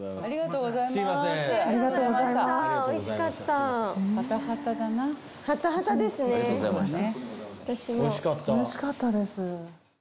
おいしかったです。